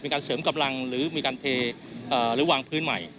การเสริมกำลังหรือมีการเทหรือวางพื้นใหม่